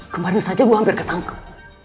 kemarin saja gue hampir ketangkep